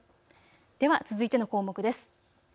では続いての項目です。